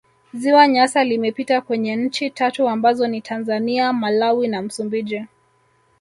ziwa nyasa limepita kwenye nchi tatu ambazo ni tanzania malawi na msumbiji